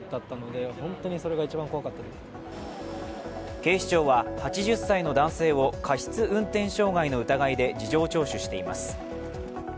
警視庁は８０歳の男性を過失運転傷害の疑いで事情聴取しています。